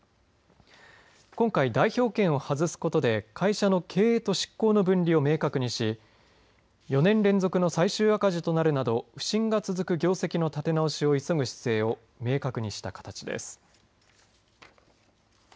今回、代表権を外すことで会社の経営と執行の分離を明確にし４年連続の最終赤字となるなど不振が続く業績の立て直しを急ぐ姿勢を明確にした形です。